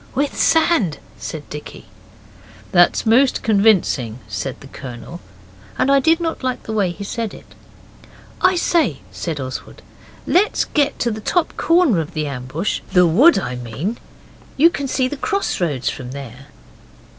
'With sand,' said Dicky. 'That's most convincing,' said the Colonel, and I did not like the way he said it. 'I say,' Oswald said, 'let's get to the top corner of the ambush the wood, I mean. You can see the crossroads from there.